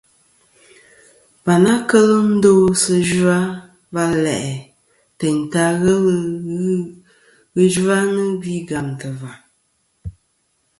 Và ni-a kel ndo sɨ zhwa va la'i teyn ta ka ghelɨ ghɨ zhwanɨ gvi gàmtɨ̀ và.